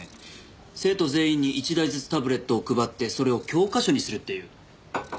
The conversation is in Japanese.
生徒全員に１台ずつタブレットを配ってそれを教科書にするっていう。